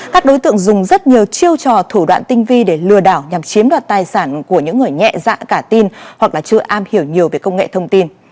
các đối tượng dùng rất nhiều chiêu trò thủ đoạn tinh vi để lừa đảo nhằm chiếm đoạt tài sản của những người nhẹ dạ cả tin hoặc là chưa am hiểu nhiều về công nghệ thông tin